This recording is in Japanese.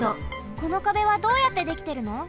この壁はどうやってできてるの？